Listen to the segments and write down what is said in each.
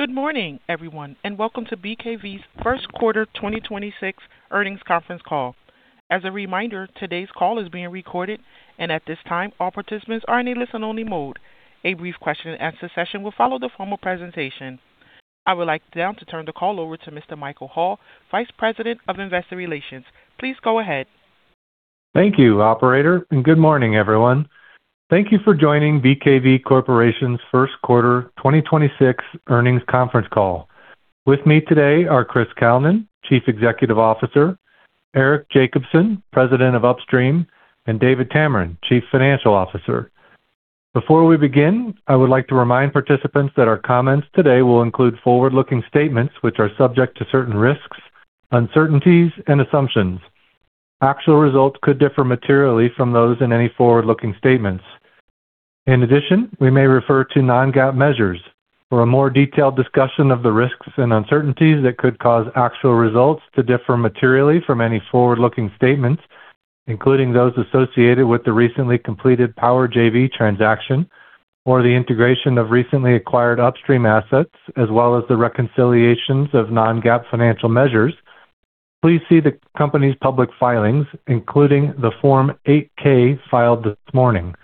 Good morning, everyone, and welcome to BKV's Q1 2026 earnings conference call. As a reminder, today's call is being recorded, and at this time, all participants are in a listen-only mode. A brief question-and-answer session will follow the formal presentation. I would like now to turn the call over to Mr. Michael Hall, Vice President of Investor Relations. Please go ahead. Thank you, operator. Good morning, everyone. Thank you for joining BKV Corporation's Q1 2026 earnings conference call. With me today are Chris Kalnin, Chief Executive Officer, Eric Jacobsen, President of Upstream, and David Tameron, Chief Financial Officer. Before we begin, I would like to remind participants that our comments today will include forward-looking statements which are subject to certain risks, uncertainties, and assumptions. Actual results could differ materially from those in any forward-looking statements. In addition, we may refer to non-GAAP measures. For a more detailed discussion of the risks and uncertainties that could cause actual results to differ materially from any forward-looking statements, including those associated with the recently completed Power JV transaction or the integration of recently acquired upstream assets, as well as the reconciliations of non-GAAP financial measures, please see the company's public filings, including the Form 8-K filed this morning.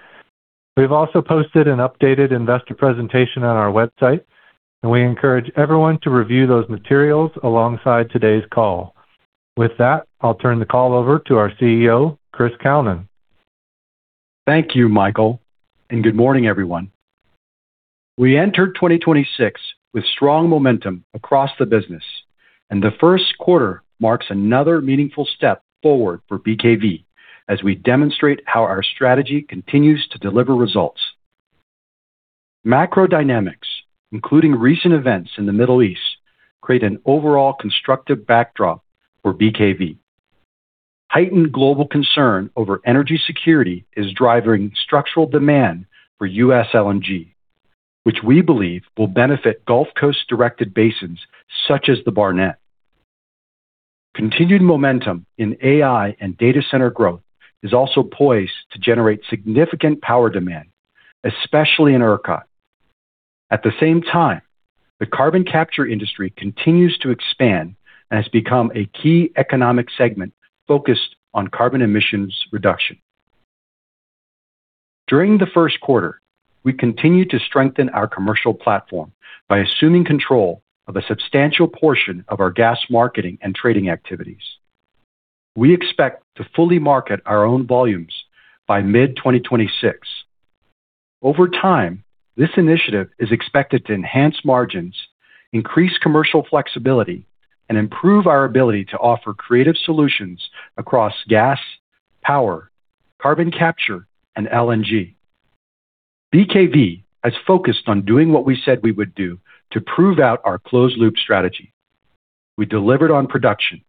We've also posted an updated investor presentation on our website, and we encourage everyone to review those materials alongside today's call. With that, I'll turn the call over to our CEO, Chris Kalnin. Thank you, Michael. Good morning, everyone. We entered 2026 with strong momentum across the business, and the Q1 marks another meaningful step forward for BKV as we demonstrate how our strategy continues to deliver results. Macro dynamics, including recent events in the Middle East, create an overall constructive backdrop for BKV. Heightened global concern over energy security is driving structural demand for U.S. LNG, which we believe will benefit Gulf Coast-directed basins such as the Barnett. Continued momentum in AI and data center growth is also poised to generate significant power demand, especially in ERCOT. At the same time, the carbon capture industry continues to expand and has become a key economic segment focused on carbon emissions reduction. During the Q1, we continued to strengthen our commercial platform by assuming control of a substantial portion of our gas marketing and trading activities. We expect to fully market our own volumes by mid-2026. Over time, this initiative is expected to enhance margins, increase commercial flexibility, and improve our ability to offer creative solutions across gas, power, carbon capture, and LNG. BKV has focused on doing what we said we would do to prove out our closed-loop strategy. We delivered on production,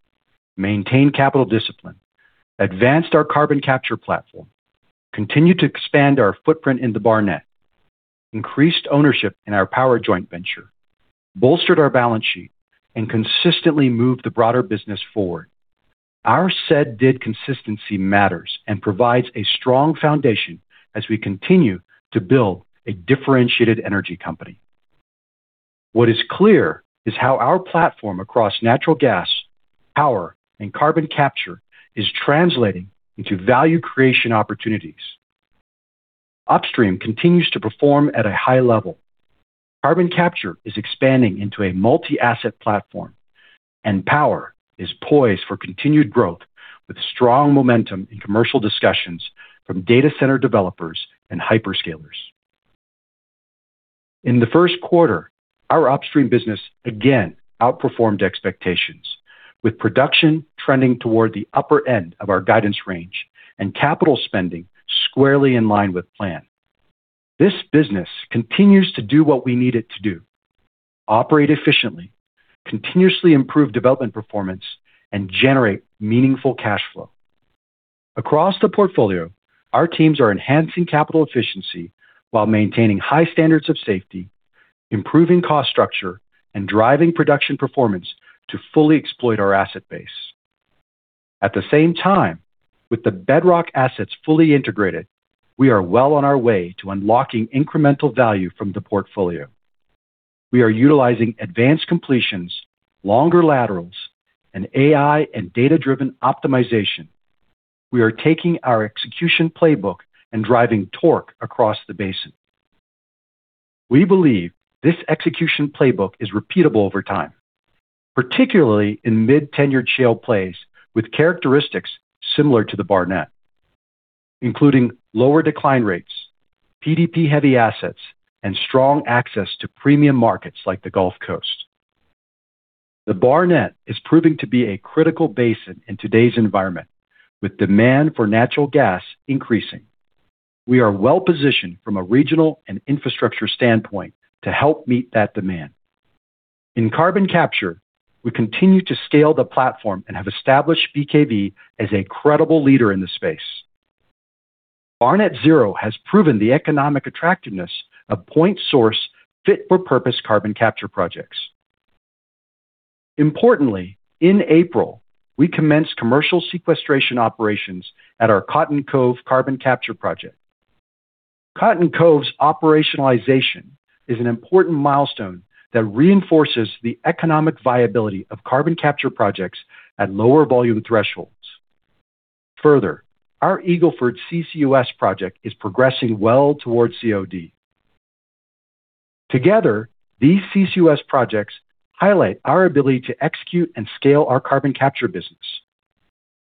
maintained capital discipline, advanced our carbon capture platform, continued to expand our footprint in the Barnett, increased ownership in our power joint venture, bolstered our balance sheet, and consistently moved the broader business forward. Our said-did consistency matters and provides a strong foundation as we continue to build a differentiated energy company. What is clear is how our platform across natural gas, power, and carbon capture is translating into value creation opportunities. Upstream continues to perform at a high level. Carbon capture is expanding into a multi-asset platform. Power is poised for continued growth with strong momentum in commercial discussions from data center developers and hyperscalers. In the Q1, our upstream business again outperformed expectations, with production trending toward the upper end of our guidance range and capital spending squarely in line with plan. This business continues to do what we need it to do: operate efficiently, continuously improve development performance, and generate meaningful cash flow. Across the portfolio, our teams are enhancing capital efficiency while maintaining high standards of safety, improving cost structure, and driving production performance to fully exploit our asset base. At the same time, with the Bedrock assets fully integrated, we are well on our way to unlocking incremental value from the portfolio. We are utilizing advanced completions, longer laterals, and AI and data-driven optimization. We are taking our execution playbook and driving torque across the basin. We believe this execution playbook is repeatable over time, particularly in mid-tenured shale plays with characteristics similar to the Barnett, including lower decline rates, PDP-heavy assets, and strong access to premium markets like the Gulf Coast. The Barnett is proving to be a critical basin in today's environment. With demand for natural gas increasing, we are well-positioned from a regional and infrastructure standpoint to help meet that demand. In carbon capture, we continue to scale the platform and have established BKV as a credible leader in the space. Barnett Zero has proven the economic attractiveness of point-source, fit-for-purpose carbon capture projects. Importantly, in April, we commenced commercial sequestration operations at our Cotton Cove carbon capture project. Cotton Cove's operationalization is an important milestone that reinforces the economic viability of carbon capture projects at lower volume thresholds. Further, our Cotton Cove project is progressing well towards COD. Together, these CCUS projects highlight our ability to execute and scale our carbon capture business.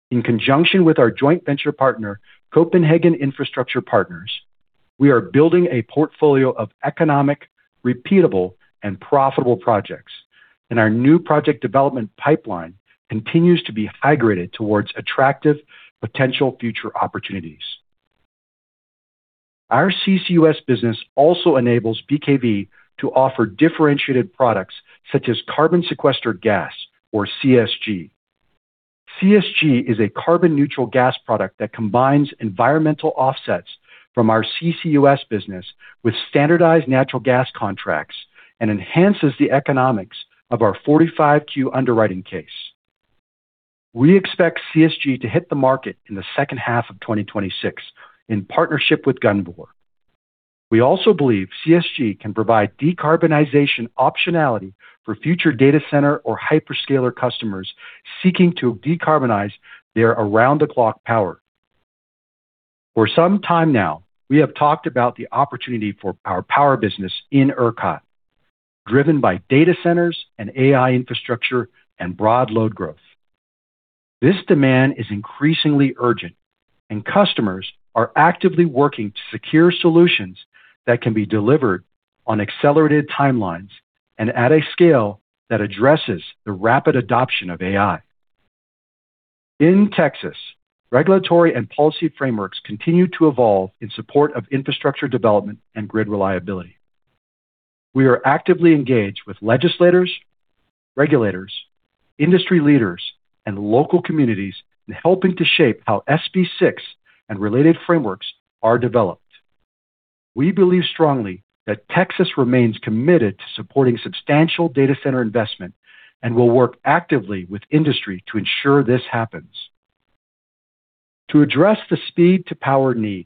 In conjunction with our joint venture partner, Copenhagen Infrastructure Partners, we are building a portfolio of economic, repeatable, and profitable projects, and our new project development pipeline continues to be hydrated towards attractive potential future opportunities. Our CCUS business also enables BKV to offer differentiated products such as carbon sequestered gas or CSG. CSG is a carbon neutral gas product that combines environmental offsets from our CCUS business with standardized natural gas contracts and enhances the economics of our 45Q underwriting case. We expect CSG to hit the market in the H2 of 2026 in partnership with Gunvor. We also believe CSG can provide decarbonization optionality for future data center or hyperscaler customers seeking to decarbonize their around-the-clock power. For some time now, we have talked about the opportunity for our power business in ERCOT, driven by data centers and AI infrastructure and broad load growth. This demand is increasingly urgent and customers are actively working to secure solutions that can be delivered on accelerated timelines and at a scale that addresses the rapid adoption of AI. In Texas, regulatory and policy frameworks continue to evolve in support of infrastructure development and grid reliability. We are actively engaged with legislators, regulators, industry leaders, and local communities in helping to shape how SB 6 and related frameworks are developed. We believe strongly that Texas remains committed to supporting substantial data center investment and will work actively with industry to ensure this happens. To address the speed to power need,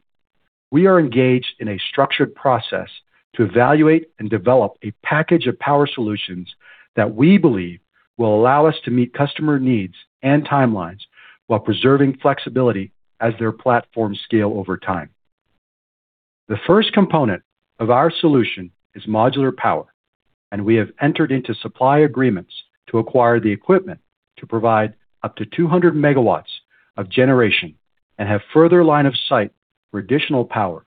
we are engaged in a structured process to evaluate and develop a package of power solutions that we believe will allow us to meet customer needs and timelines while preserving flexibility as their platforms scale over time. The first component of our solution is modular power, and we have entered into supply agreements to acquire the equipment to provide up to 200 MW of generation and have further line of sight for additional power.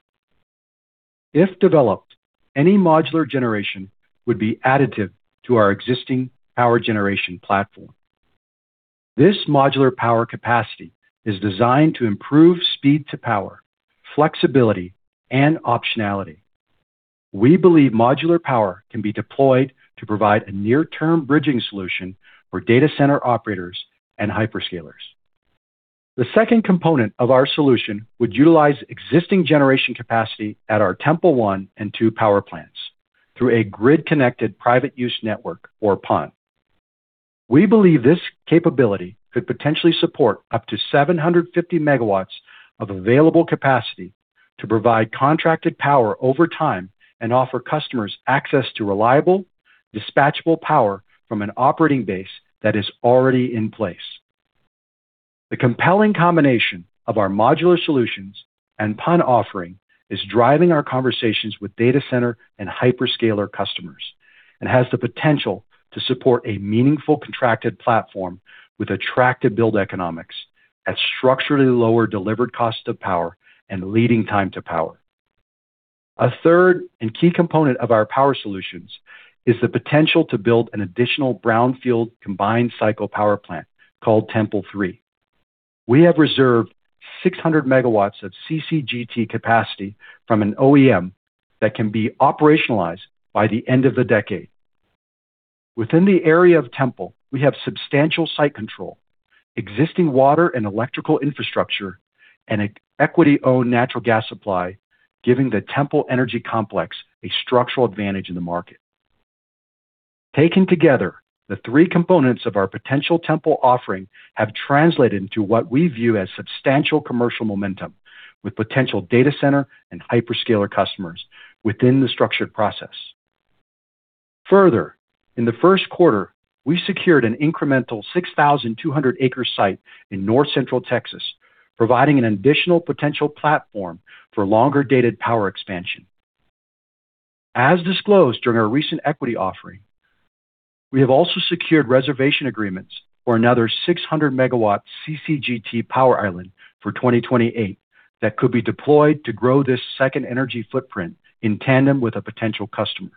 If developed, any modular generation would be additive to our existing power generation platform. This modular power capacity is designed to improve speed to power, flexibility, and optionality. We believe modular power can be deployed to provide a near-term bridging solution for data center operators and hyperscalers. The second component of our solution would utilize existing generation capacity at our Temple I and II power plants through a grid-connected private use network or PUN. We believe this capability could potentially support up to 750 MW of available capacity to provide contracted power over time and offer customers access to reliable, dispatchable power from an operating base that is already in place. The compelling combination of our modular solutions and PUN offering is driving our conversations with data center and hyperscaler customers and has the potential to support a meaningful contracted platform with attractive build economics at structurally lower delivered cost of power and leading time to power. A third and key component of our power solutions is the potential to build an additional brownfield combined cycle power plant called Temple III. We have reserved 600 MW of CCGT capacity from an OEM that can be operationalized by the end of the decade. Within the area of Temple, we have substantial site control, existing water and electrical infrastructure, and equity-owned natural gas supply, giving the Temple Power Complex a structural advantage in the market. Taken together, the three components of our potential Temple offering have translated into what we view as substantial commercial momentum with potential data center and hyperscaler customers within the structured process. Further, in the Q1, we secured an incremental 6,200 acre site in North Central Texas, providing an additional potential platform for longer-dated power expansion. As disclosed during our recent equity offering, we have also secured reservation agreements for another 600 MW CCGT power island for 2028 that could be deployed to grow this second energy footprint in tandem with a potential customer.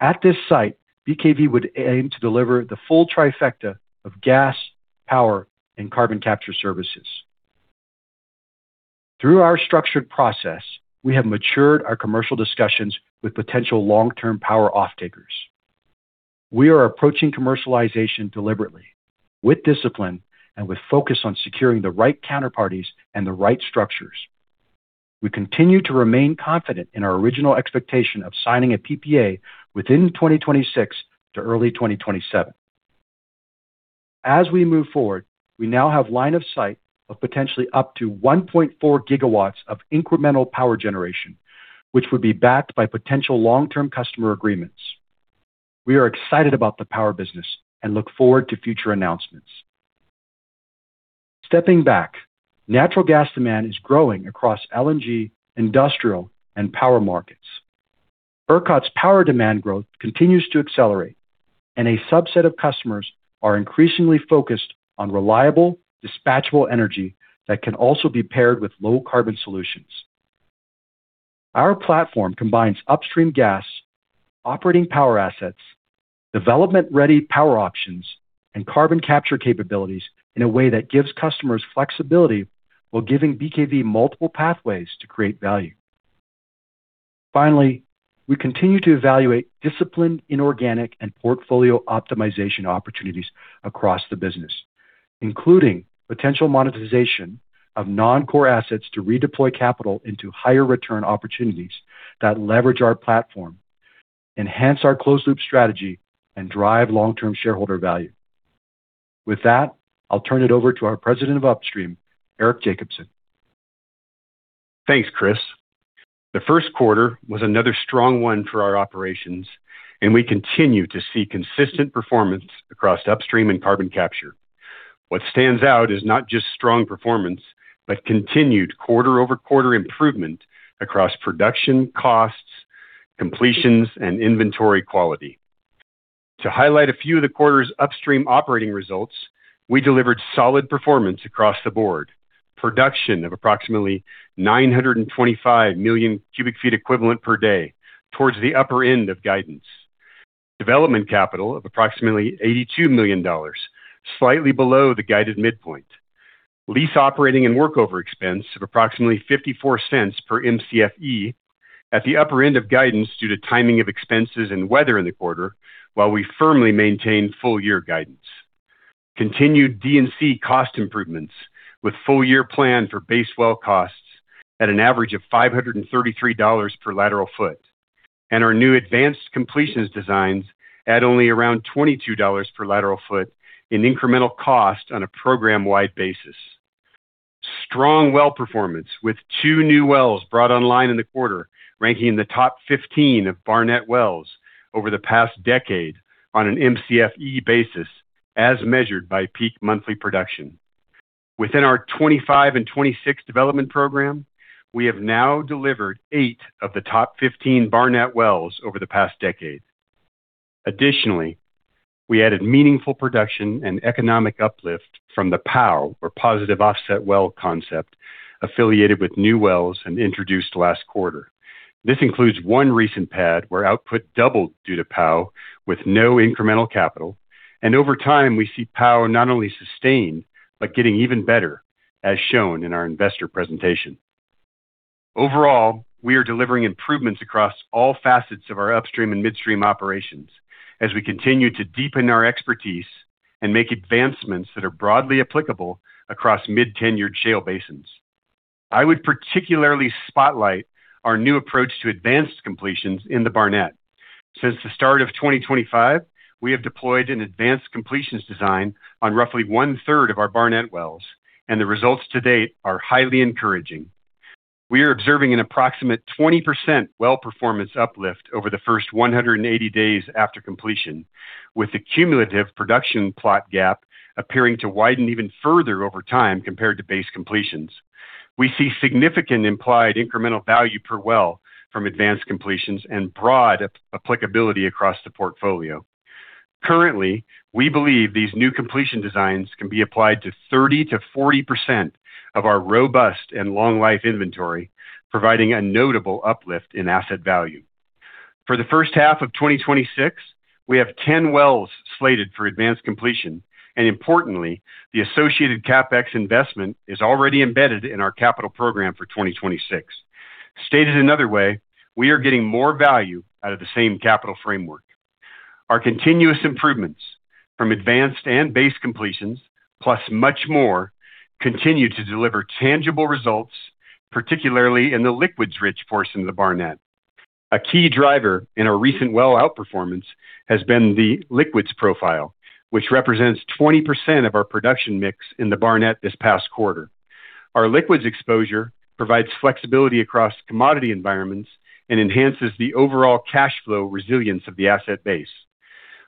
At this site, BKV would aim to deliver the full trifecta of gas, power, and carbon capture services. Through our structured process, we have matured our commercial discussions with potential long-term power offtakers. We are approaching commercialization deliberately, with discipline, and with focus on securing the right counterparties and the right structures. We continue to remain confident in our original expectation of signing a PPA within 2026 to early 2027. As we move forward, we now have line of sight of potentially up to 1.4 GW of incremental power generation, which would be backed by potential long-term customer agreements. We are excited about the power business and look forward to future announcements. Stepping back, natural gas demand is growing across LNG, industrial, and power markets. ERCOT's power demand growth continues to accelerate, and a subset of customers are increasingly focused on reliable, dispatchable energy that can also be paired with low-carbon solutions. Our platform combines upstream gas, operating power assets, development-ready power options, and carbon capture capabilities in a way that gives customers flexibility while giving BKV multiple pathways to create value. Finally, we continue to evaluate disciplined inorganic and portfolio optimization opportunities across the business, including potential monetization of non-core assets to redeploy capital into higher return opportunities that leverage our platform, enhance our closed loop strategy, and drive long-term shareholder value. With that, I'll turn it over to our President of Upstream, Eric Jacobsen. Thanks, Chris. The Q1 was another strong one for our operations. We continue to see consistent performance across upstream and carbon capture. What stands out is not just strong performance, but continued quarter-over-quarter improvement across production costs, completions, and inventory quality. To highlight a few of the quarter's upstream operating results, we delivered solid performance across the board. Production of approximately 925 MMcfe/d towards the upper end of guidance. Development capital of approximately $82 million, slightly below the guided midpoint. Lease operating and workover expense of approximately $0.54 per Mcfe at the upper end of guidance due to timing of expenses and weather in the quarter, while we firmly maintain full year guidance. Continued D&C cost improvements with full year plan for base well costs at an average of $533 per lateral foot. Our new advanced completions designs at only around $22 per lateral foot in incremental cost on a program-wide basis. Strong well performance with two new wells brought online in the quarter, ranking in the top 15 of Barnett Wells over the past decade on an Mcfe basis as measured by peak monthly production. Within our 2025 and 2026 development program, we have now delivered eight of the top 15 Barnett Wells over the past decade. Additionally, we added meaningful production and economic uplift from the POW or positive offset well concept affiliated with new wells and introduced last quarter. This includes one recent pad where output doubled due to POW with no incremental capital. Over time, we see POW not only sustain, but getting even better, as shown in our investor presentation. Overall, we are delivering improvements across all facets of our upstream and midstream operations as we continue to deepen our expertise and make advancements that are broadly applicable across mid-tenured shale basins. I would particularly spotlight our new approach to advanced completions in the Barnett. Since the start of 2025, we have deployed an advanced completions design on roughly one-third of our Barnett Wells, and the results to date are highly encouraging. We are observing an approximate 20% well performance uplift over the first 180 days after completion, with the cumulative production plot gap appearing to widen even further over time compared to base completions. We see significant implied incremental value per well from advanced completions and broad applicability across the portfolio. Currently, we believe these new completion designs can be applied to 30%-40% of our robust and long-life inventory, providing a notable uplift in asset value. For the H1 of 2026, we have 10 wells slated for advanced completion, and importantly, the associated CapEx investment is already embedded in our capital program for 2026. Stated another way, we are getting more value out of the same capital framework. Our continuous improvements from advanced and base completions, plus much more, continue to deliver tangible results, particularly in the liquids-rich force in the Barnett. A key driver in our recent well outperformance has been the liquids profile, which represents 20% of our production mix in the Barnett this past quarter. Our liquids exposure provides flexibility across commodity environments and enhances the overall cash flow resilience of the asset base.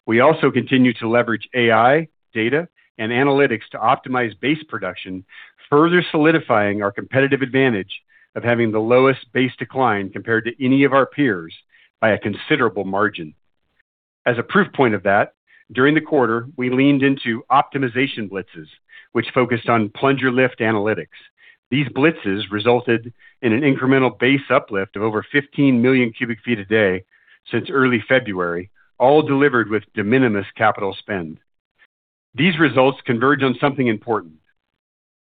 We also continue to leverage AI, data, and analytics to optimize base production, further solidifying our competitive advantage of having the lowest base decline compared to any of our peers by a considerable margin. As a proof point of that, during the quarter, we leaned into optimization blitzes, which focused on plunger lift analytics. These blitzes resulted in an incremental base uplift of over 15 million cubic feet a day since early February, all delivered with de minimis capital spend. These results converge on something important.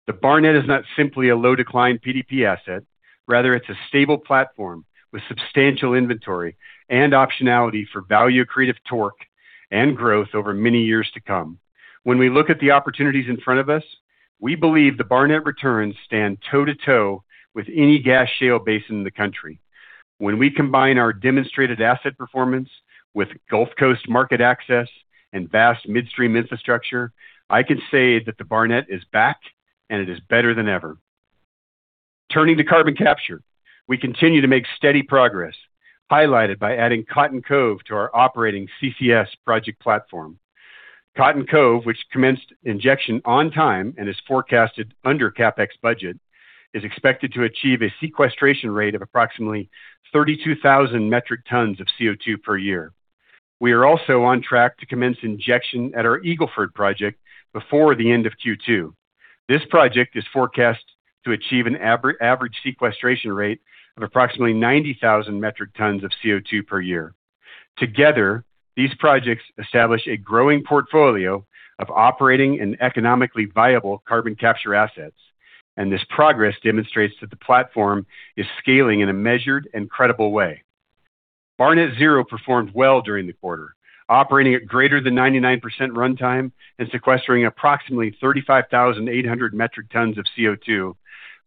The Barnett is not simply a low decline PDP asset. Rather, it's a stable platform with substantial inventory and optionality for value-accretive torque and growth over many years to come. When we look at the opportunities in front of us, we believe the Barnett returns stand toe-to-toe with any gas shale basin in the country. When we combine our demonstrated asset performance with Gulf Coast market access and vast midstream infrastructure, I can say that the Barnett is back and it is better than ever. Turning to carbon capture, we continue to make steady progress, highlighted by adding Cotton Cove to our operating CCS project platform. Cotton Cove, which commenced injection on time and is forecasted under CapEx budget, is expected to achieve a sequestration rate of approximately 32,000 metric tons of CO2 per year. We are also on track to commence injection at our Eagle Ford project before the end of Q2. This project is forecast to achieve an average sequestration rate of approximately 90,000 metric tons of CO2 per year. Together, these projects establish a growing portfolio of operating and economically viable carbon capture assets. This progress demonstrates that the platform is scaling in a measured and credible way. Barnett Zero performed well during the quarter, operating at greater than 99% runtime and sequestering approximately 35,800 metric tons of CO2,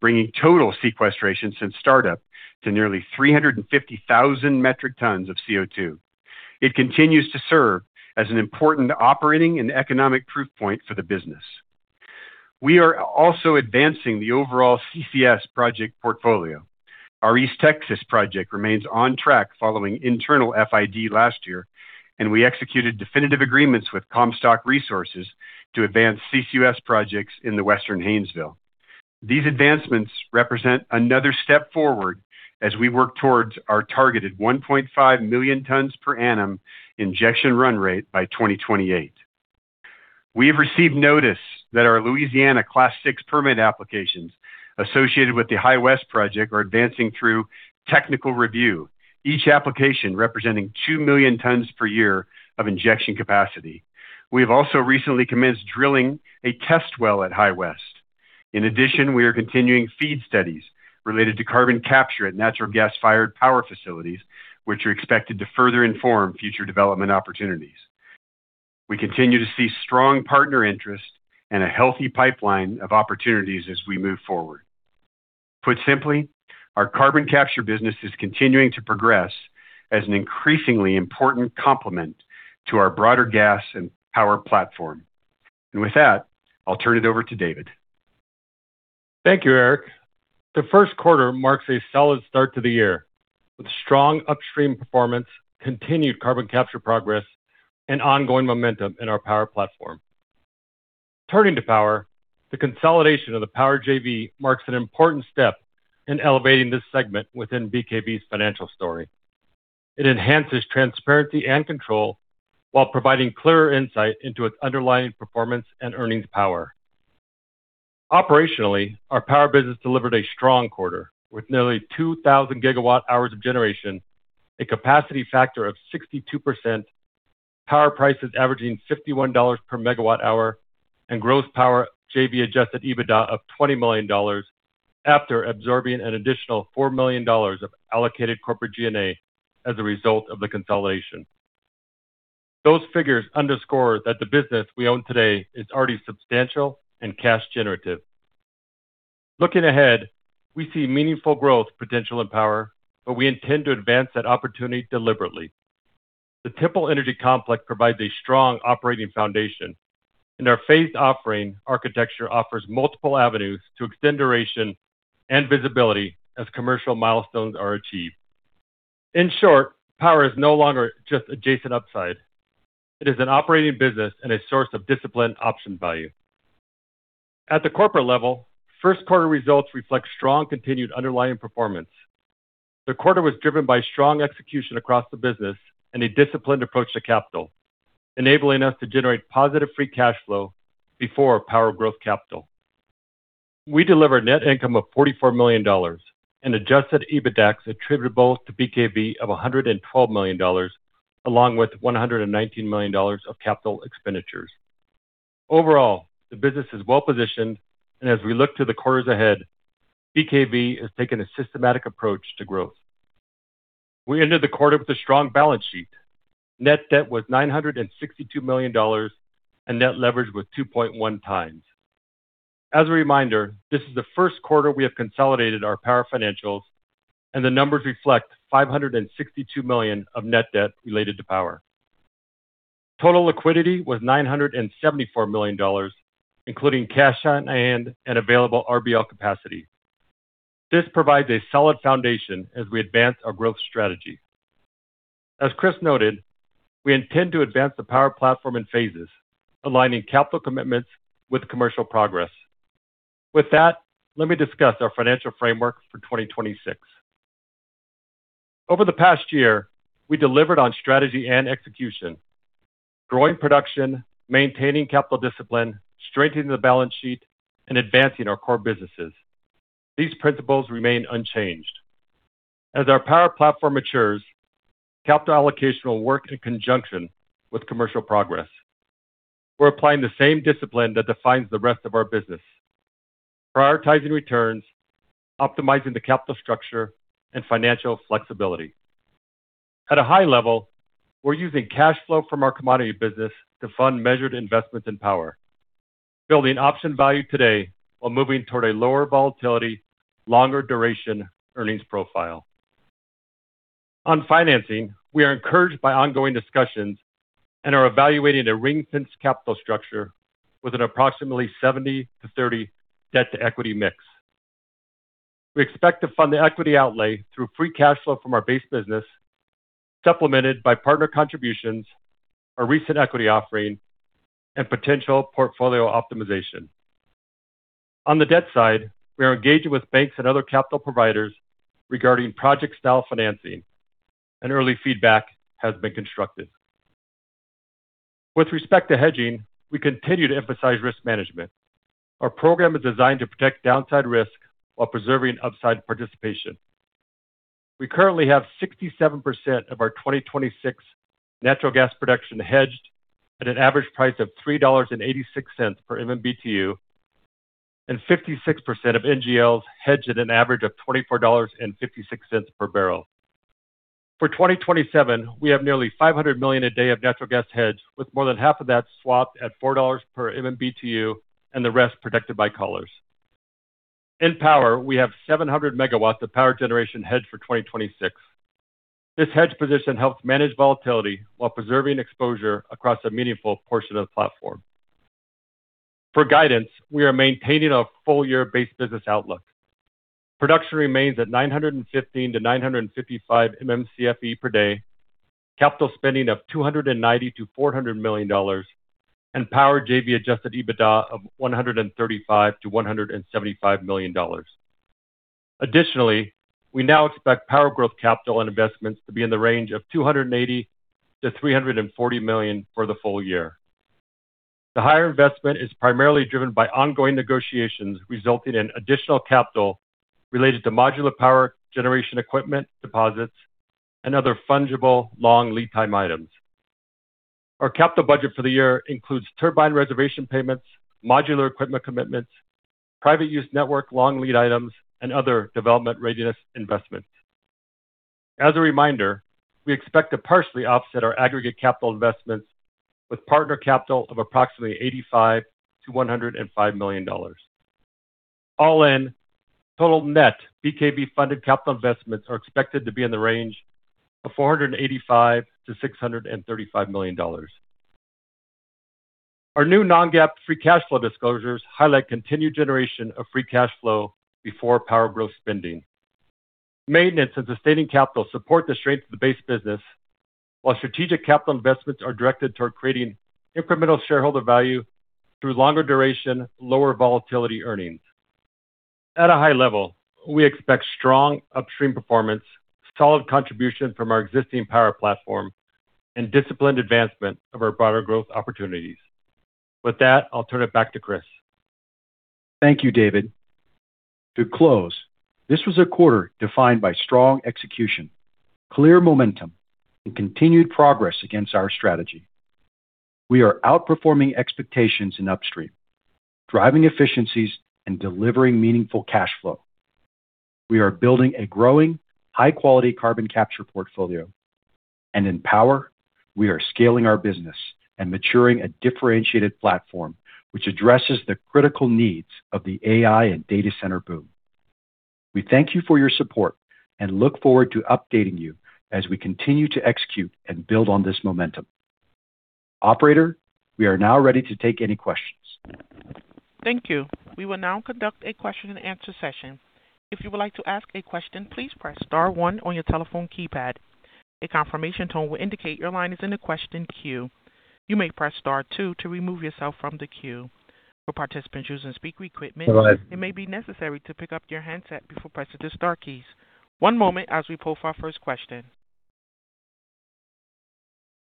bringing total sequestration since startup to nearly 350,000 metric tons of CO2. It continues to serve as an important operating and economic proof point for the business. We are also advancing the overall CCS project portfolio. Our East Texas project remains on track following internal FID last year, and we executed definitive agreements with Comstock Resources to advance CCS projects in the Western Haynesville. These advancements represent another step forward as we work towards our targeted 1.5 million tons per annum injection run rate by 2028. We have received notice that our Louisiana Class VI permit applications associated with the High West Project are advancing through technical review, each application representing 2 million tons per year of injection capacity. We have also recently commenced drilling a test well at High West. In addition, we are continuing feed studies related to carbon capture at natural gas-fired power facilities, which are expected to further inform future development opportunities. We continue to see strong partner interest and a healthy pipeline of opportunities as we move forward. Put simply, our carbon capture business is continuing to progress as an increasingly important complement to our broader gas and power platform. With that, I'll turn it over to David. Thank you, Eric. The Q1 marks a solid start to the year, with strong upstream performance, continued carbon capture progress, and ongoing momentum in our power platform. Turning to power, the consolidation of the Power JV marks an important step in elevating this segment within BKV's financial story. It enhances transparency and control while providing clearer insight into its underlying performance and earnings power. Operationally, our power business delivered a strong quarter, with nearly 2,000 gigawatt hours of generation, a capacity factor of 62%, power prices averaging $51 per megawatt hour, and gross Power JV adjusted EBITDA of $20 million after absorbing an additional $4 million of allocated corporate G&A as a result of the consolidation. Those figures underscore that the business we own today is already substantial and cash generative. Looking ahead, we see meaningful growth potential in power, but we intend to advance that opportunity deliberately. The Temple Power Complex provides a strong operating foundation, and our phased offering architecture offers multiple avenues to extend duration and visibility as commercial milestones are achieved. In short, power is no longer just adjacent upside. It is an operating business and a source of disciplined option value. At the corporate level, Q1 results reflect strong continued underlying performance. The quarter was driven by strong execution across the business and a disciplined approach to capital, enabling us to generate positive free cash flow before power growth capital. We delivered net income of $44 million and adjusted EBITDAX attributable to BKV of $112 million, along with $119 million of capital expenditures. Overall, the business is well-positioned, and as we look to the quarters ahead, BKV has taken a systematic approach to growth. We ended the quarter with a strong balance sheet. Net debt was $962 million, and net leverage was 2.1 times. As a reminder, this is the Q1 we have consolidated our power financials, and the numbers reflect $562 million of net debt related to power. Total liquidity was $974 million, including cash on hand and available RBL capacity. This provides a solid foundation as we advance our growth strategy. As Chris noted, we intend to advance the power platform in phases, aligning capital commitments with commercial progress. With that, let me discuss our financial framework for 2026. Over the past year, we delivered on strategy and execution, growing production, maintaining capital discipline, strengthening the balance sheet, and advancing our core businesses. These principles remain unchanged. As our power platform matures, capital allocation will work in conjunction with commercial progress. We're applying the same discipline that defines the rest of our business, prioritizing returns, optimizing the capital structure, and financial flexibility. At a high level, we're using cash flow from our commodity business to fund measured investments in power, building option value today while moving toward a lower volatility, longer duration earnings profile. On financing, we are encouraged by ongoing discussions and are evaluating a ring-fenced capital structure with an approximately 70-30 debt-to-equity mix. We expect to fund the equity outlay through free cash flow from our base business, supplemented by partner contributions, our recent equity offering, and potential portfolio optimization. On the debt side, we are engaging with banks and other capital providers regarding project style financing, and early feedback has been constructive. With respect to hedging, we continue to emphasize risk management. Our program is designed to protect downside risk while preserving upside participation. We currently have 67% of our 2026 natural gas production hedged at an average price of $3.86 per MMBtu and 56% of NGLs hedged at an average of $24.56 per barrel. For 2027, we have nearly 500 million a day of natural gas hedged, with more than half of that swapped at $4 per MMBtu and the rest protected by collars. In power, we have 700 MW of power generation hedged for 2026. This hedged position helps manage volatility while preserving exposure across a meaningful portion of the platform. For guidance, we are maintaining a full-year base business outlook. Production remains at 915 to 955 MMcfe per day, capital spending of $290 million-$400 million, and Power JV adjusted EBITDA of $135 million-$175 million. Additionally, we now expect power growth capital and investments to be in the range of $280 million-$340 million for the full year. The higher investment is primarily driven by ongoing negotiations, resulting in additional capital related to modular power generation equipment deposits and other fungible long lead time items. Our capital budget for the year includes turbine reservation payments, modular equipment commitments, private use network long lead items, and other development readiness investments. As a reminder, we expect to partially offset our aggregate capital investments with partner capital of approximately $85 million-$105 million. All in, total net BKV-funded capital investments are expected to be in the range of $485 million-$635 million. Our new non-GAAP free cash flow disclosures highlight continued generation of free cash flow before power growth spending. Maintenance and sustaining capital support the strength of the base business, while strategic capital investments are directed toward creating incremental shareholder value through longer duration, lower volatility earnings. At a high level, we expect strong upstream performance, solid contribution from our existing power platform, and disciplined advancement of our broader growth opportunities. With that, I'll turn it back to Chris. Thank you, David. To close, this was a quarter defined by strong execution, clear momentum, and continued progress against our strategy. We are outperforming expectations in upstream, driving efficiencies, and delivering meaningful cash flow. We are building a growing, high-quality carbon capture portfolio. In power, we are scaling our business and maturing a differentiated platform which addresses the critical needs of the AI and data center boom. We thank you for your support and look forward to updating you as we continue to execute and build on this momentum. Operator, we are now ready to take any questions. Thank you. We will now conduct a question and answer session. If you would like to ask a question, please press star one on your telephone keypad. A confirmation tone will indicate your line is in the question queue. You may press star two to remove yourself from the queue. For participant using a speaker equipment, it maybe necessary to pick up your headset before pressing the star key. One moment I will call our first question.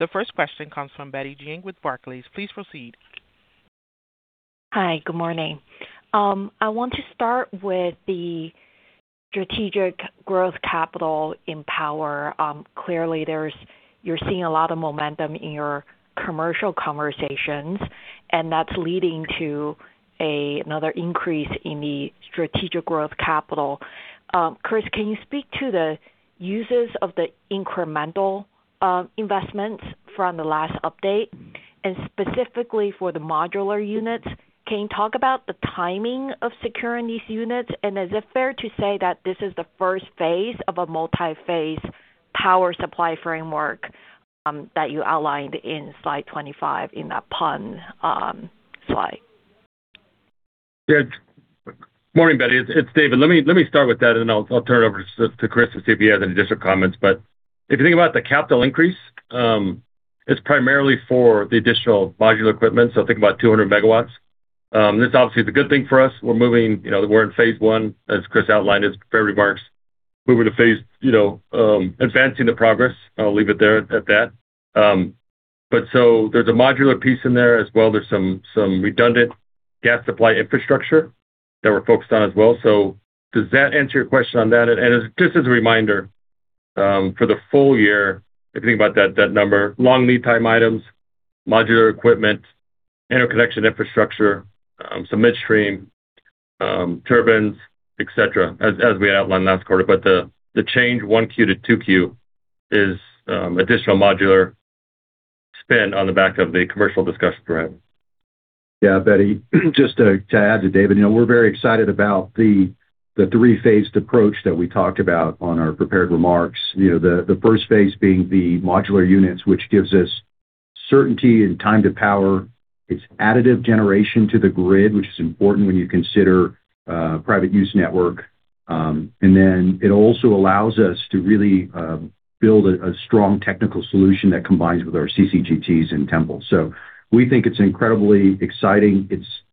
The first question comes from Betty Jiang with Barclays. Please proceed. Hi. Good morning. I want to start with the strategic growth capital in power. Clearly, you're seeing a lot of momentum in your commercial conversations, and that's leading to another increase in the strategic growth capital. Chris, can you speak to the uses of the incremental investments from the last update, and specifically for the modular units, can you talk about the timing of securing these units? Is it fair to say that this is the first phase of a multi-phase power supply framework that you outlined in slide 25 in that PUN slide? Morning, Betty. It's David. Let me start with that, and then I'll turn it over to Chris to see if he has any additional comments. If you think about the capital increase, it's primarily for the additional modular equipment, so think about 200 MW. This obviously is a good thing for us. We're moving, you know, we're in phase I, as Chris outlined in his prepared remarks. Advancing the progress. I'll leave it there at that. There's a modular piece in there as well. There's some redundant gas supply infrastructure that we're focused on as well. Does that answer your question on that? Just as a reminder, for the full year, if you think about that number, long lead time items, modular equipment, interconnection infrastructure, some midstream. turbines, et cetera, as we outlined last quarter. The change Q1 to Q2 is additional modular spend on the back of the commercial discussions we're having. Betty, just to add to David, you know, we're very excited about the three-phased approach that we talked about on our prepared remarks. You know, the first phase being the modular units, which gives us certainty and time to power. It's additive generation to the grid, which is important when you consider private use network. Then it also allows us to really build a strong technical solution that combines with our CCGTs in Temple. We think it's incredibly exciting.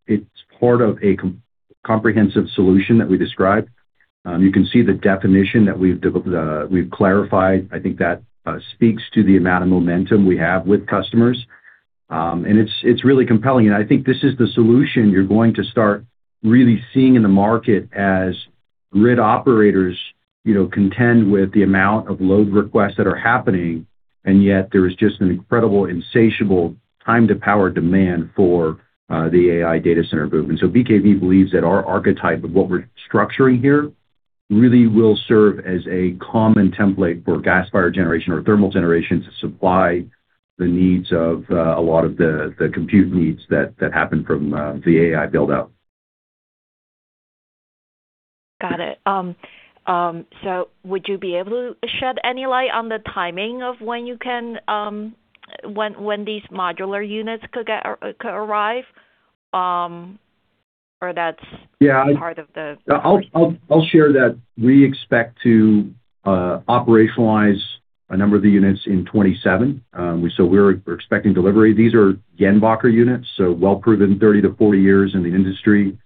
It's part of a comprehensive solution that we described. You can see the definition that we've clarified. I think that speaks to the amount of momentum we have with customers. It's really compelling, and I think this is the solution you're going to start really seeing in the market as grid operators, you know, contend with the amount of load requests that are happening. Yet there is just an incredible insatiable time to power demand for the AI data center boom. So BKV believes that our archetype of what we're structuring here really will serve as a common template for gas-fired generation or thermal generation to supply the needs of a lot of the compute needs that happen from the AI build-out. Got it. Would you be able to shed any light on the timing of when you can, when these modular units could arrive? Yeah. Part of the- I'll share that we expect to operationalize a number of the units in 2027. We're expecting delivery. These are Jenbacher units, so well proven, 30 to 40 years in the industry,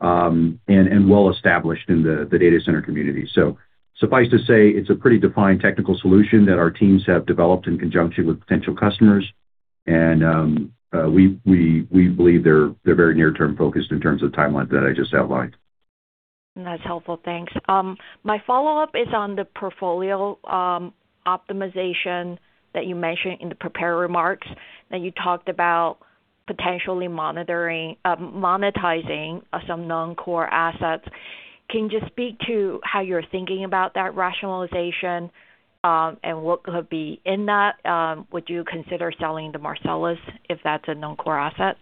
and well established in the data center community. Suffice to say, it's a pretty defined technical solution that our teams have developed in conjunction with potential customers and we believe they're very near-term focused in terms of the timeline that I just outlined. That's helpful. Thanks. My follow-up is on the portfolio optimization that you mentioned in the prepared remarks that you talked about potentially monetizing some non-core assets. Can you just speak to how you're thinking about that rationalization, and what could be in that? Would you consider selling the Marcellus if that's a non-core asset?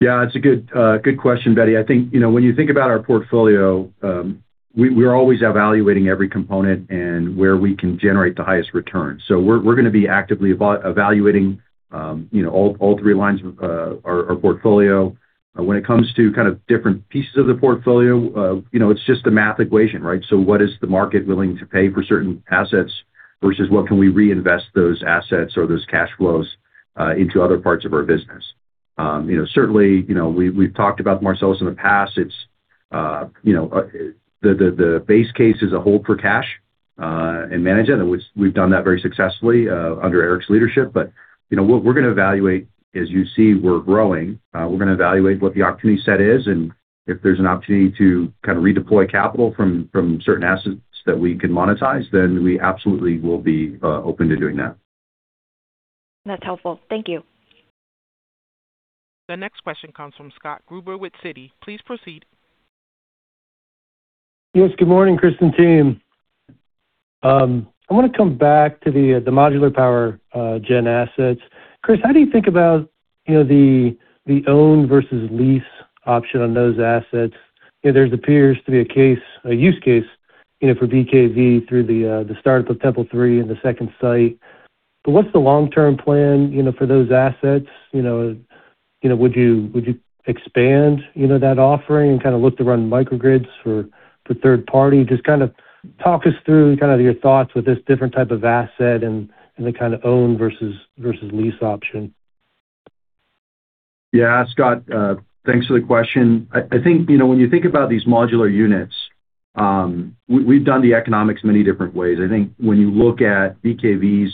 Yeah, it's a good question, Betty. I think, you know, when you think about our portfolio, we're always evaluating every component and where we can generate the highest return. We're gonna be actively evaluating, you know, all three lines of our portfolio. When it comes to kind of different pieces of the portfolio, you know, it's just a math equation, right? What is the market willing to pay for certain assets versus what can we reinvest those assets or those cash flows into other parts of our business? You know, certainly, you know, we've talked about Marcellus in the past. It's, you know, the base case is a hold for cash and manage it. We've done that very successfully under Eric's leadership. You know, what we're gonna evaluate, as you see, we're growing. We're gonna evaluate what the opportunity set is, and if there's an opportunity to kind of redeploy capital from certain assets that we can monetize, then we absolutely will be open to doing that. That's helpful. Thank you. The next question comes from Scott Gruber with Citi. Please proceed. Yes, good morning, Chris and team. I want to come back to the modular power, gen assets. Chris, how do you think about, you know, the own versus lease option on those assets? You know, there appears to be a case, a use case, you know, for BKV through the startup of Temple III and the second site. What's the long-term plan, you know, for those assets? You know, would you expand, you know, that offering and kind of look to run microgrids for the third party? Just kind of talk us through kind of your thoughts with this different type of asset and the kind of own versus lease option. Yeah. Scott, thanks for the question. I think, you know, when you think about these modular units, we've done the economics many different ways. I think when you look at BKV's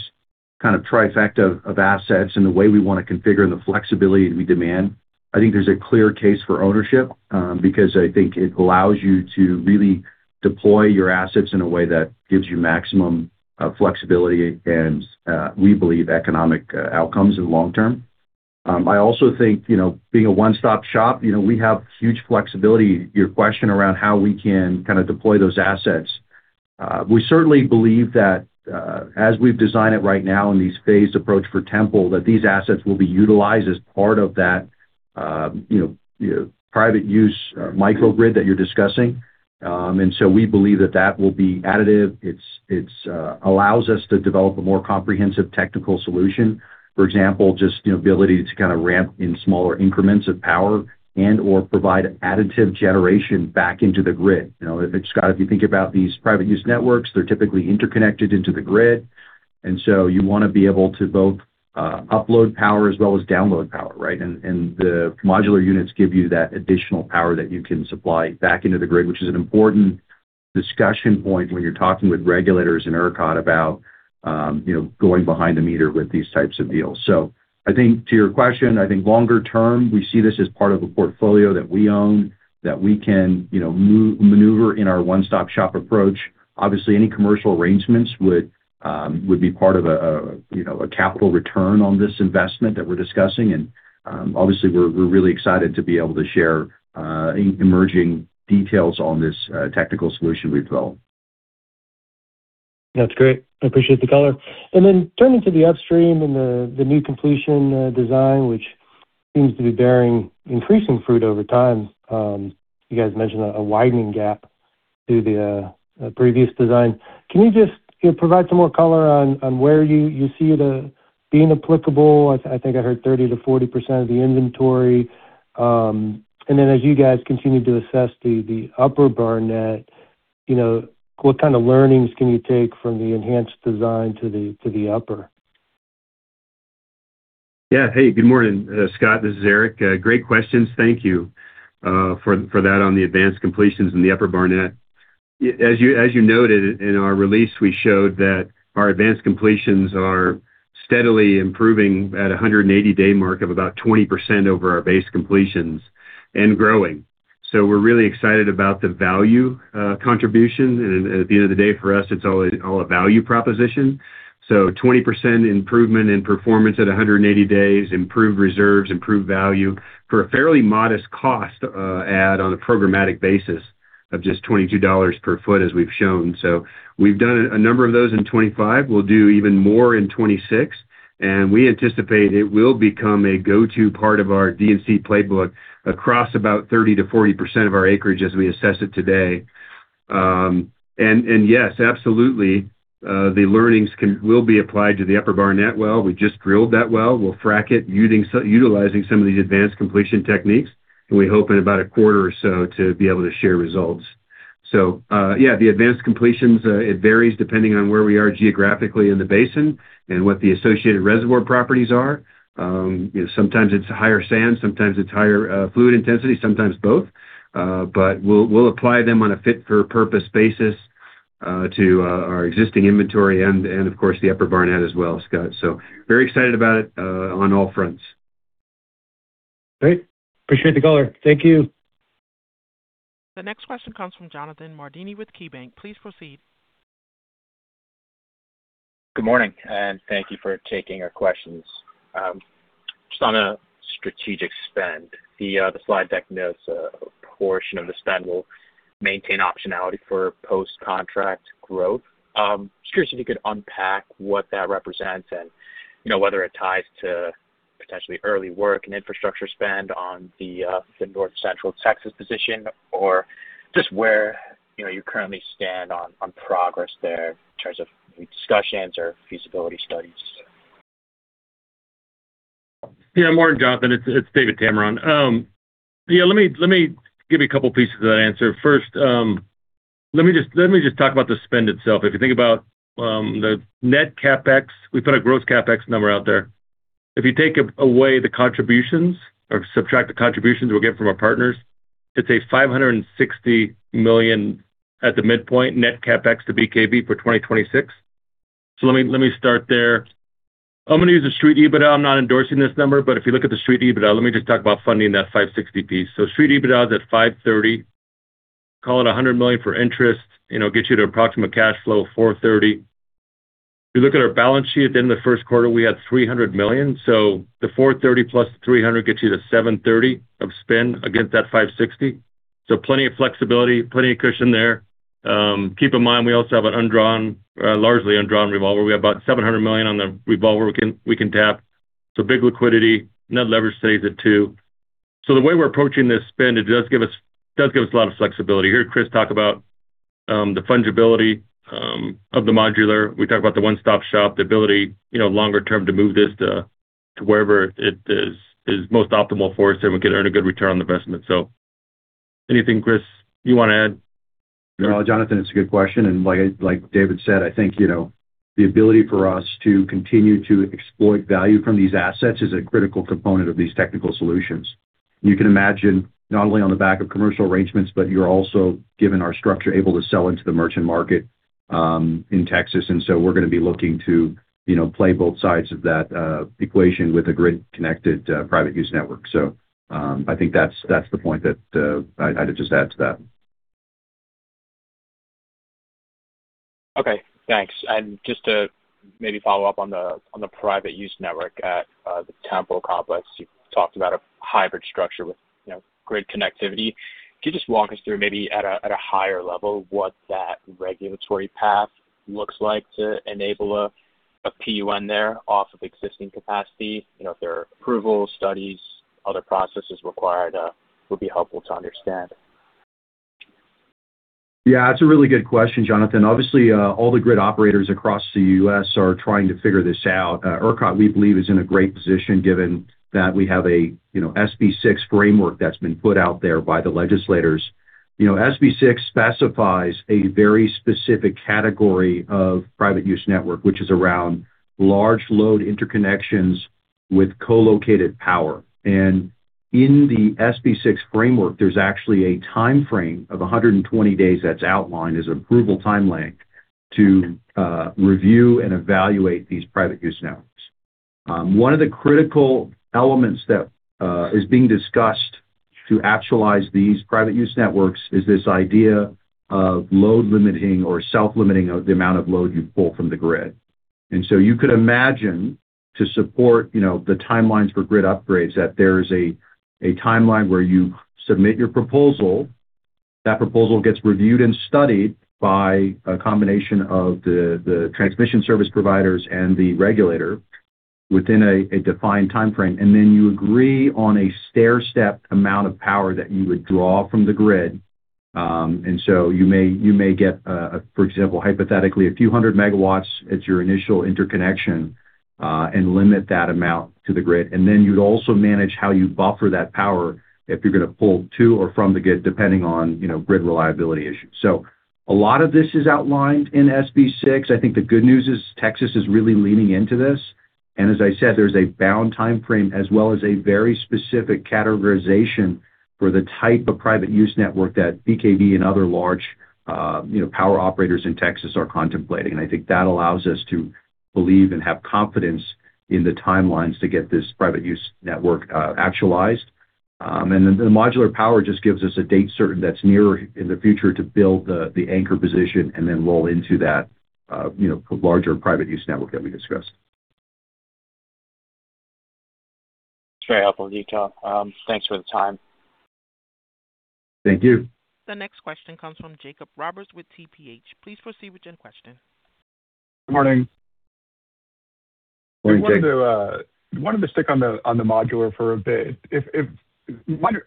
kind of trifecta of assets and the way we want to configure and the flexibility we demand, I think there's a clear case for ownership, because I think it allows you to really deploy your assets in a way that gives you maximum flexibility and we believe economic outcomes in the long term. I also think, you know, being a one-stop shop, you know, we have huge flexibility. Your question around how we can kind of deploy those assets. We certainly believe that, as we've designed it right now in this phased approach for Temple, that these assets will be utilized as part of that, you know, private use microgrid that you're discussing. We believe that that will be additive. It allows us to develop a more comprehensive technical solution. For example, just the ability to kind of ramp in smaller increments of power and/or provide additive generation back into the grid. You know, Scott, if you think about these private use networks, they're typically interconnected into the grid, you want to be able to both upload power as well as download power, right? The modular units give you that additional power that you can supply back into the grid, which is an important discussion point when you're talking with regulators in ERCOT about, you know, going behind the meter with these types of deals. I think to your question, I think longer term, we see this as part of a portfolio that we own, that we can, you know, maneuver in our one-stop shop approach. Obviously, any commercial arrangements would be part of a, you know, a capital return on this investment that we're discussing. Obviously we're really excited to be able to share, emerging details on this, technical solution we've developed. That's great. I appreciate the color. Turning to the upstream and the new completion design, which seems to be bearing increasing fruit over time, you guys mentioned a widening gap to the previous design. Can you just, you know, provide some more color on where you see it being applicable? I think I heard 30%-40% of the inventory. As you guys continue to assess the Upper Barnett, you know, what kind of learnings can you take from the enhanced design to the, to the upper? Hey, good morning, Scott. This is Eric. Great questions. Thank you for that on the advanced completions in the Upper Barnett. As you noted in our release, we showed that our advanced completions are steadily improving at a 180-day mark of about 20% over our base completions and growing. We're really excited about the value contribution. At the end of the day, for us, it's all a value proposition. 20% improvement in performance at 180 days, improved reserves, improved value for a fairly modest cost add on a programmatic basis of just $22 per foot, as we've shown. We've done a number of those in 2025. We'll do even more in 26, and we anticipate it will become a go-to part of our D&C playbook across about 30% to 40% of our acreage as we assess it today. Yes, absolutely, the learnings will be applied to the Upper Barnett well. We just drilled that well. We'll frack it, utilizing some of these advanced completion techniques. We hope in about a quarter or so to be able to share results. The advanced completions, it varies depending on where we are geographically in the basin and what the associated reservoir properties are. You know, sometimes it's higher sand, sometimes it's higher fluid intensity, sometimes both. We'll apply them on a fit for purpose basis to our existing inventory and, of course, the Upper Barnett as well, Scott. Very excited about it, on all fronts. Great. Appreciate the color. Thank you. The next question comes from Jonathan Mardini with KeyBanc. Please proceed. Good morning, thank you for taking our questions. Just on a strategic spend, the slide deck notes a portion of the spend will maintain optionality for post-contract growth. Just curious if you could unpack what that represents and, you know, whether it ties to potentially early work and infrastructure spend on the North Central Texas position, or just where, you know, you currently stand on progress there in terms of any discussions or feasibility studies. Morning, Jonathan. It's David Tameron. Let me give you a couple pieces of that answer. First, let me just talk about the spend itself. If you think about the net CapEx, we put a gross CapEx number out there. If you take away the contributions or subtract the contributions we'll get from our partners, it's a $560 million at the midpoint net CapEx to BKV for 2026. Let me start there. I'm gonna use a street EBITDA. I'm not endorsing this number, but if you look at the street EBITDA, let me just talk about funding that $560 piece. Street EBITDA is at $530. Call it $100 million for interest. You know, gets you to approximate cash flow of $430. If you look at our balance sheet at the end of the Q1, we had $300 million. The $430 plus the $300 gets you to $730 of spend against that $560. Plenty of flexibility, plenty of cushion there. Keep in mind, we also have an undrawn, largely undrawn revolver. We have about $700 million on the revolver we can tap. Big liquidity. Net leverage stays at two. The way we're approaching this spend, it does give us a lot of flexibility. You heard Chris talk about the fungibility of the modular. We talk about the one-stop shop, the ability, you know, longer term to move this to wherever it is most optimal for us and we can earn a good return on the investment. Anything, Chris, you wanna add? No, Jonathan, it's a good question. Like, like David said, I think, you know, the ability for us to continue to exploit value from these assets is a critical component of these technical solutions. You can imagine not only on the back of commercial arrangements, but you're also, given our structure, able to sell into the merchant market in Texas. We're gonna be looking to, you know, play both sides of that equation with a grid-connected private use network. I think that's the point that I'd just add to that. Okay, thanks. Just to maybe follow up on the private use network at the Temple Power Complex, you've talked about a hybrid structure with, you know, grid connectivity. Could you just walk us through maybe at a higher level what that regulatory path looks like to enable a PUN there off of existing capacity? You know, if there are approval studies, other processes required, would be helpful to understand. Yeah, that's a really good question, Jonathan. Obviously, all the grid operators across the U.S. are trying to figure this out. ERCOT, we believe, is in a great position given that we have a, you know, SB 6 framework that's been put out there by the legislators. You know, SB 6 specifies a very specific category of private use network, which is around large load interconnections with co-located power. In the SB 6 framework, there's actually a timeframe of 120 days that's outlined as approval timeline to review and evaluate these private use networks. One of the critical elements that is being discussed to actualize these private use networks is this idea of load limiting or self-limiting of the amount of load you pull from the grid. So you could imagine to support, you know, the timelines for grid upgrades, that there is a timeline where you submit your proposal. That proposal gets reviewed and studied by a combination of the transmission service providers and the regulator within a defined timeframe. Then you agree on a stairstep amount of power that you would draw from the grid. You may, you may get, for example, hypothetically, a few hundred megawatts at your initial interconnection, and limit that amount to the grid. You'd also manage how you buffer that power if you're going to pull to or from the grid, depending on, you know, grid reliability issues. A lot of this is outlined in SB 6. I think the good news is Texas is really leaning into this. As I said, there's a bound timeframe as well as a very specific categorization for the type of private use network that BKV and other large, you know, power operators in Texas are contemplating. I think that allows us to believe and have confidence in the timelines to get this private use network actualized. The modular power just gives us a date certain that's nearer in the future to build the anchor position and then roll into that, you know, larger private use network that we discussed. That's very helpful detail. Thanks for the time. Thank you. The next question comes from Jacob Roberts with TPH. Please proceed with your question. Good morning. Morning, Jake. I wanted to stick on the modular for a bit.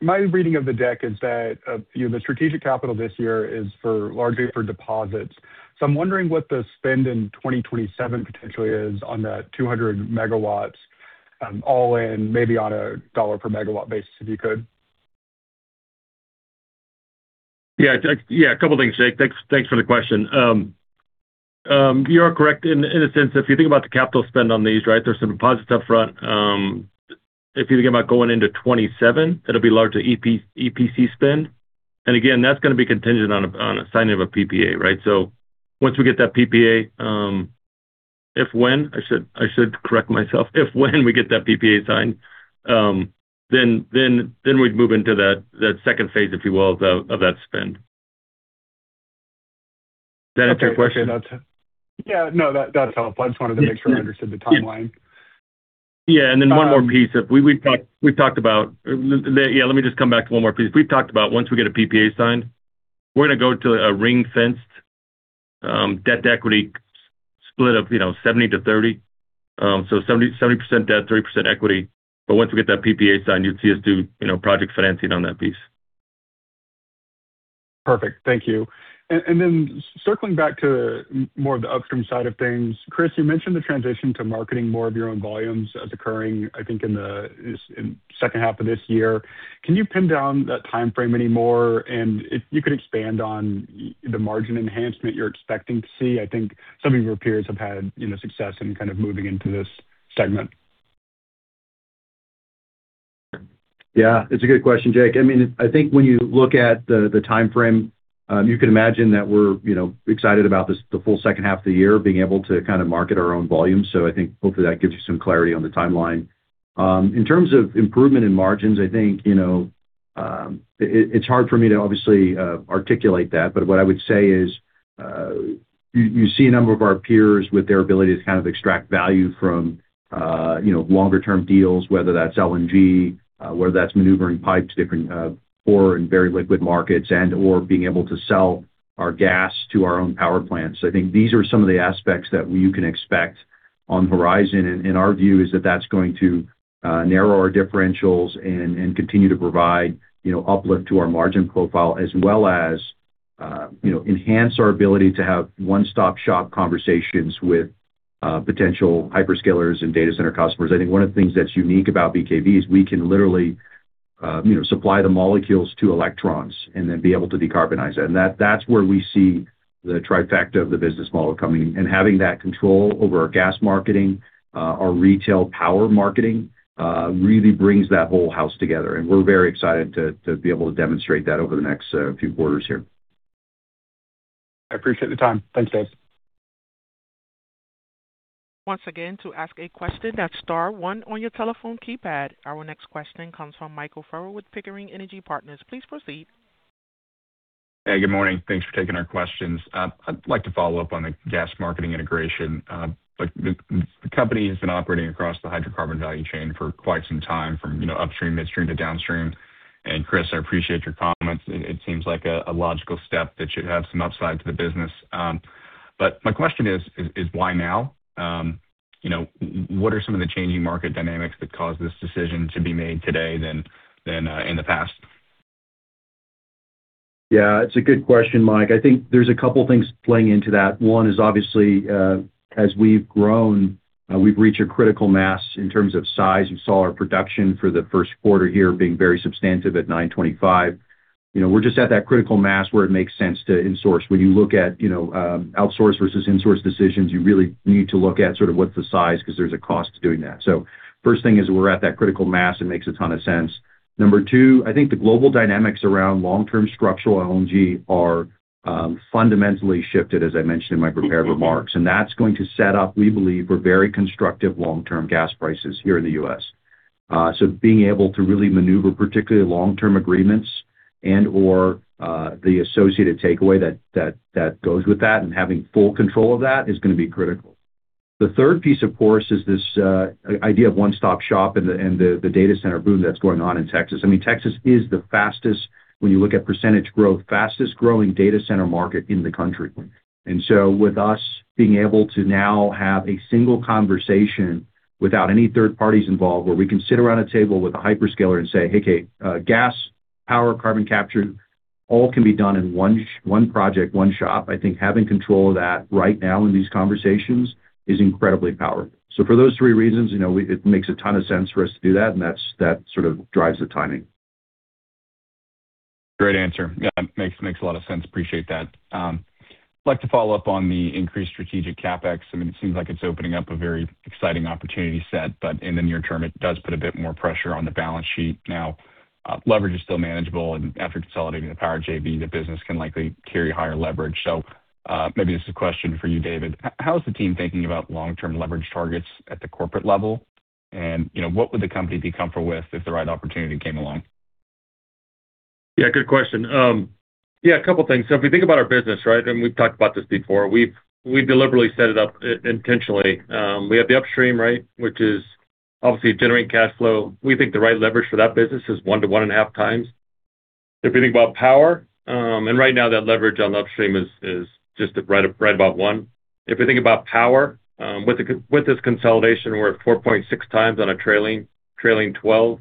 My reading of the deck is that, you know, the strategic capital this year is for largely for deposits. I'm wondering what the spend in 2027 potentially is on that 200 MW, all in maybe on a dollar per megawatt basis, if you could. Yeah, a couple things, Jake. Thanks for the question. You are correct in a sense, if you think about the capital spend on these, right? There's some deposits up front. If you think about going into 27, it'll be largely EPC spend. Again, that's gonna be contingent on a signing of a PPA, right? Once we get that PPA, I should correct myself. If, when we get that PPA signed, then we'd move into that phase II, if you will, of that spend. Does that answer your question? Okay. That's, yeah, no, that's helpful. I just wanted to make sure I understood the timeline. Yeah. Then one more piece. Yeah, let me just come back to one more piece. We've talked about once we get a PPA signed, we're gonna go to a ring-fenced debt equity split of, you know, 70 to 30. 70% debt, 30% equity. Once we get that PPA signed, you'd see us do, you know, project financing on that piece. Perfect. Thank you. Then circling back to more of the upstream side of things. Chris, you mentioned the transition to marketing more of your own volumes as occurring in the H2 of this year. Can you pin down that timeframe any more? If you could expand on the margin enhancement you're expecting to see. I think some of your peers have had, you know, success in kind of moving into this segment. It's a good question, Jake. I mean, I think when you look at the timeframe, you can imagine that we're, you know, excited about the full H2 of the year being able to kind of market our own volume. I think hopefully that gives you some clarity on the timeline. In terms of improvement in margins, I think, you know, it's hard for me to obviously articulate that, but what I would say is, you see a number of our peers with their ability to kind of extract value from, you know, longer term deals, whether that's LNG, whether that's maneuvering pipe to different port and very liquid markets and/or being able to sell our gas to our own power plants. I think these are some of the aspects that you can expect on horizon. Our view is that that's going to narrow our differentials and continue to provide, you know, uplift to our margin profile as well as, you know, enhance our ability to have one-stop-shop conversations with potential hyperscalers and data center customers. I think one of the things that's unique about BKV is we can literally, you know, supply the molecules to electrons and then be able to decarbonize that. That, that's where we see the trifecta of the business model coming in. Having that control over our gas marketing, our retail power marketing, really brings that whole house together, and we're very excited to be able to demonstrate that over the next few quarters here. I appreciate the time. Thanks, guys. Our next question comes from Michael Furrow with Pickering Energy Partners. Please proceed. Hey, good morning. Thanks for taking our questions. I'd like to follow up on the gas marketing integration. Like the company has been operating across the hydrocarbon value chain for quite some time from, you know, upstream, midstream to downstream. Chris, I appreciate your comments. It seems like a logical step that should have some upside to the business. My question is, why now? You know, what are some of the changing market dynamics that caused this decision to be made today than in the past? Yeah, it's a good question, Mike. I think there's a couple things playing into that. One is obviously, as we've grown, we've reached a critical mass in terms of size. You saw our production for the Q1 here being very substantive at 925. You know, we're just at that critical mass where it makes sense to insource. When you look at, you know, outsource versus insource decisions, you really need to look at sort of what's the size because there's a cost to doing that. First thing is we're at that critical mass. It makes a ton of sense. Number two, I think the global dynamics around long-term structural LNG are fundamentally shifted, as I mentioned in my prepared remarks. That's going to set up, we believe, for very constructive long-term gas prices here in the U.S. Being able to really maneuver particularly long-term agreements and or the associated takeaway that goes with that and having full control of that is gonna be critical. The third piece, of course, is this idea of one-stop shop and the, and the data center boom that's going on in Texas. Texas is the fastest-growing data center market in the country. With us being able to now have a single conversation without any third parties involved, where we can sit around a table with a hyperscaler and say, "Hey, Kate, gas, power, carbon capture, all can be done in one project, one shop." I think having control of that right now in these conversations is incredibly powerful. For those three reasons, you know, it makes a ton of sense for us to do that, and that's, that sort of drives the timing. Great answer. Yeah, makes a lot of sense. Appreciate that. I'd like to follow up on the increased strategic CapEx. I mean, it seems like it's opening up a very exciting opportunity set, in the near term, it does put a bit more pressure on the balance sheet. Now, leverage is still manageable, after consolidating the Power JV, the business can likely carry higher leverage. Maybe this is a question for you, David. How is the team thinking about long-term leverage targets at the corporate level? You know, what would the company be comfortable with if the right opportunity came along? Yeah, good question. Yeah, a couple of things. If you think about our business, right, and we've talked about this before, we deliberately set it up intentionally. We have the upstream, right, which is obviously generating cash flow. We think the right leverage for that business is 1x-1.5x. If you think about power, and right now that leverage on the upstream is just about one. If you think about power, with this consolidation, we're at 4.6 times on a trailing 12.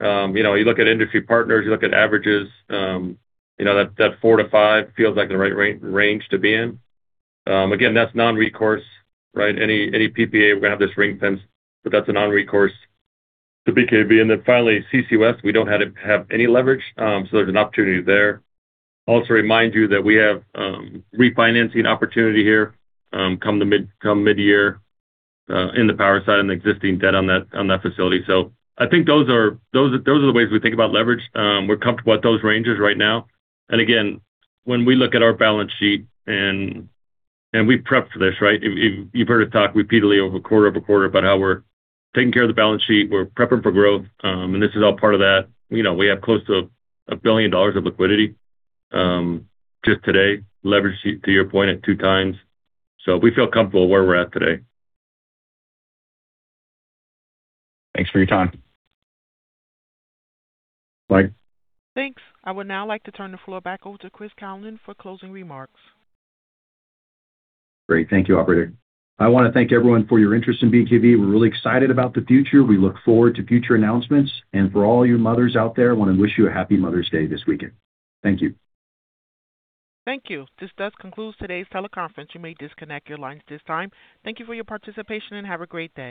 You know, you look at industry partners, you look at averages, you know, that four to five feels like the right range to be in. Again, that's non-recourse, right? Any PPA, we're going to have this ring-fence, but that's a non-recourse to BKV. Finally, CC West, we don't have any leverage, there's an opportunity there. Also remind you that we have refinancing opportunity here, come mid-year, in the power side and the existing debt on that facility. I think those are the ways we think about leverage. We're comfortable at those ranges right now. When we look at our balance sheet, we've prepped for this, right? You've heard us talk repeatedly over quarter about how we're taking care of the balance sheet. We're prepping for growth, this is all part of that. You know, we have close to $1 billion of liquidity, just today, leverage sheet, to your point, at two times. We feel comfortable where we're at today. Thanks for your time. Bye. Thanks. I would now like to turn the floor back over to Chris Kalnin for closing remarks. Great. Thank you, operator. I wanna thank everyone for your interest in BKV. We're really excited about the future. We look forward to future announcements. For all you mothers out there, I wanna wish you a Happy Mother's Day this weekend. Thank you. Thank you. This does conclude today's teleconference. You may disconnect your lines at this time. Thank you for your participation, and have a great day.